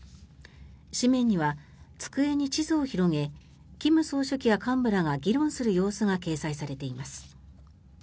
紙面には机に地図を広げ金総書記や幹部らが議論する様子が掲載されています。